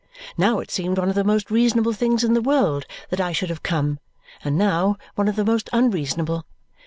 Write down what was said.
Now it seemed one of the most reasonable things in the world that I should have come, and now one of the most unreasonable.